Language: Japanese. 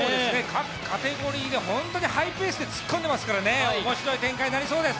各カテゴリーで本当にハイペースで突っ込んでますから面白い展開になりそうです。